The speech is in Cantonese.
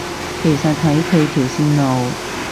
其實睇佢條路線